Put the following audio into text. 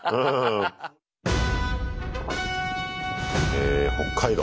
へ北海道。